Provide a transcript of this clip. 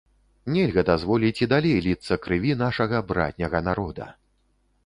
Нельга дазволіць і далей ліцца крыві нашага братняга народа.